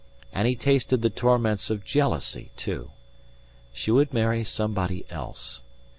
And he tasted the torments of jealousy, too. She would marry somebody else.